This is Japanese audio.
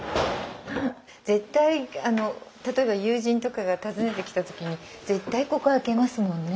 絶対例えば友人とかが訪ねてきた時に絶対ここ開けますもんね。